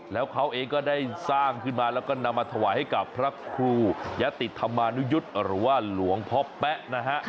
แล้วเขาเองก็ได้สร้างขึ้นมาแล้วก็นำมาถวายให้กับพระครูยะติธรรมานุยุทธ์หรือว่าหลวงพ่อแป๊ะนะฮะ